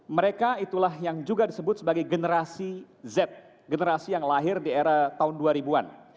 mereka itulah yang juga disebut sebagai generasi z generasi yang lahir di era tahun dua ribu an